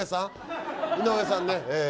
井上さん？